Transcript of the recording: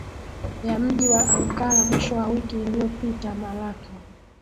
ya mji wa Ankara Mwisho wa wiki iliopita malaki